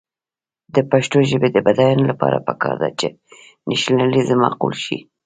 د پښتو ژبې د بډاینې لپاره پکار ده چې نیشنلېزم معقول شي.